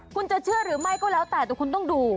คุณจะเชื่อหรือไม่ก็แล้วแต่ต้องคุณดู